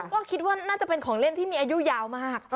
ก็คิดว่าน่าจะเป็นของเล่นที่มีอายุยาวมาก